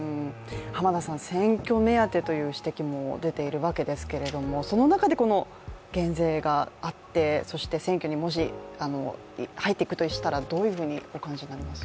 選挙目当てという指摘も出ているわけですけれども、その中でこの減税があって、そして選挙にもし入っていくとしたらどういうふうにお感じになります？